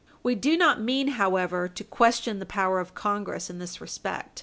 We do not mean, however, to question the power of Congress in this respect.